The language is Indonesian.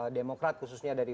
demokrat khususnya dari